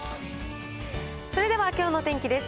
それではきょうの天気です。